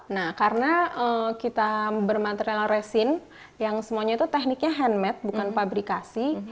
nah karena kita bermaterial resin yang semuanya itu tekniknya handmade bukan pabrikasi